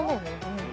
うん。